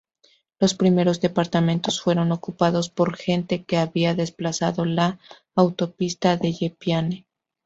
Los primeros departamentos fueron ocupados por gente que había desplazado la Autopista Dellepiane.